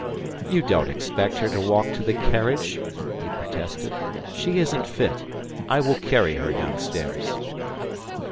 "You don't expect her to walk to the carriage," he protested. "She isn't fit. I will carry her downstairs."